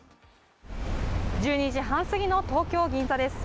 １２時半すぎの東京・銀座です。